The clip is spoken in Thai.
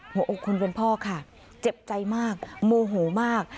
โหคุณเป็นพ่อค่ะเจ็บใจมากโมโหมาก